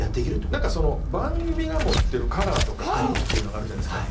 その番組が持ってるカラーとか空気っていうのがあるじゃないですか。